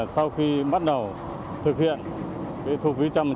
sau khi chúng ta tuyên truyền được sáu tháng